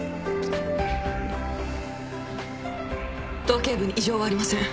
頭頸部に異常はありません。